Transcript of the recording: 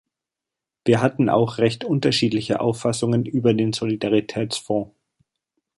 Wir hatten auch recht unterschiedliche Auffassungen über den Solidaritätsfonds.